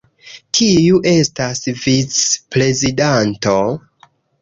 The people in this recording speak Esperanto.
Kiu estas vicprezidanto?